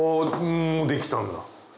もうできたんだ。